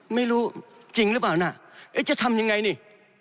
ไม่รู้จริงหรือเปล่านะเอ๊ะจะทำยังไงนี่